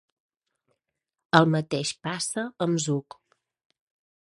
El mateix passa amb Zug.